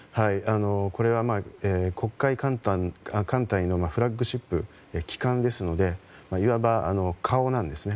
これは黒海艦隊のフラッグシップ旗艦ですのでいわば、顔なんです。